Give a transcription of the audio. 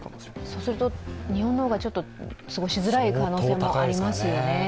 そうすると日本の方が過ごしづらい可能性もありますよね。